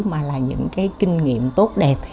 mà là những cái kinh nghiệm tốt đẹp